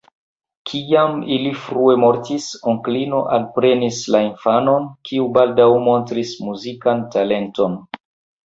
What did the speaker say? Kiam ili frue mortis, onklino alprenis la infanon, kiu baldaŭ montris muzikan talenton.